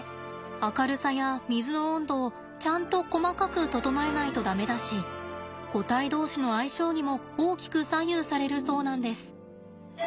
明るさや水の温度をちゃんと細かく整えないと駄目だし個体同士の相性にも大きく左右されるそうなんです。